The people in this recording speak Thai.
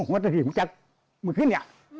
วัวที่ถึงจากเหมือนขึ้นหล่ะ